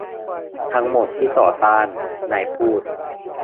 ทั้งหมดที่ต่อต้าน นายพูด